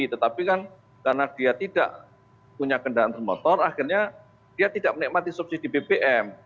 tetapi kan karena dia tidak punya kendaraan bermotor akhirnya dia tidak menikmati subsidi bbm